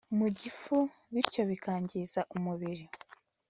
mu gifu bityo bikangiza umubiri